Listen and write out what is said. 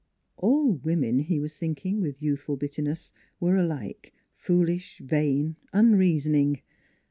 All women he was thinking with youthful bit terness were alike foolish, vain, unreasoning.